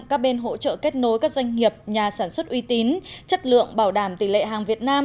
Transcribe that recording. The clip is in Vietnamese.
các bên hỗ trợ kết nối các doanh nghiệp nhà sản xuất uy tín chất lượng bảo đảm tỷ lệ hàng việt nam